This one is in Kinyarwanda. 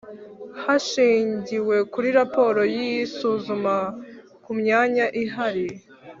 hashingiwe kuri raporo y isuzuma ku myanya ihari